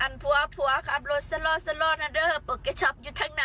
อันพวะพวะขับรถสลอดสลอดสลอดอันเดิร์โปรแกช็อปอยู่ทั้งหน้า